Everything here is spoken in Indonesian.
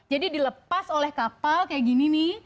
jadi dilepas oleh kapal kayak gini nih